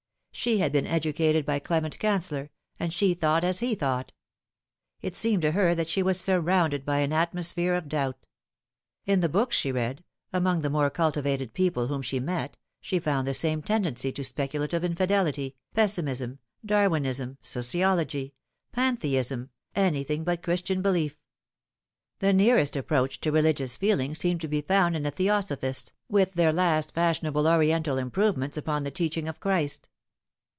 She had been educated by Clement Cancellor, and she thought as he thought. It seemed to her that she was surrounded by an atmosphere of doubt. In the books she read, among the more cultivated people whom she met, she found the same tendency to speculative infidelity, pes simism, Darwinism, sociology, Pantheism, anything but Chris tian belief. The nearest approach to religious feeling seemed to be found in the theosophists, with their last fashionable Oriental improvements upon the teaching of Christ.